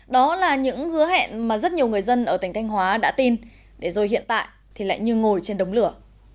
đó là những hứa hẹn mà rất nhiều người dân ở tỉnh thanh hóa đã tin để rồi hiện tại thì lại như ngồi trên đống lửa